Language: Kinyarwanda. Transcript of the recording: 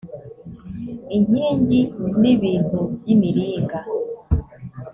inkingi n ibintu by imiringa